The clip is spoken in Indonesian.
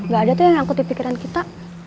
gak ada tuh yang nyangkut di pikiran kita